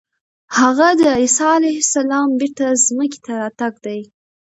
هغه د عیسی علیه السلام بېرته ځمکې ته راتګ دی.